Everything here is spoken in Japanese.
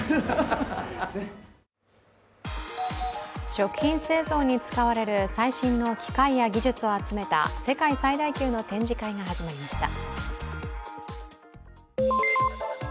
食品製造に使われる最新の機械や技術を集めた世界最大級の展示会が始まりました。